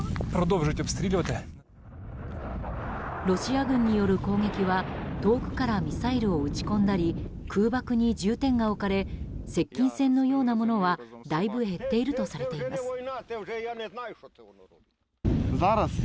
ロシア軍による攻撃は遠くからミサイルを撃ち込んだり空爆に重点が置かれ接近戦のようなものはだいぶ減っているとされています。